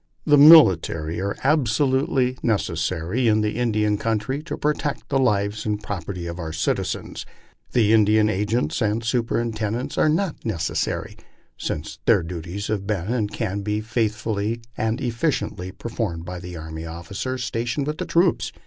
... The military are absolutely necessary in the Indian country to protect the lives and property of our citizens. Indian agents and superintendents are not necessary, since their duties have been and can still be faithfully and efficiently performed by the army officers stationed with the troops.